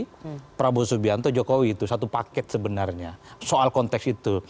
jadi prabowo subianto jokowi itu satu paket sebenarnya soal konteks itu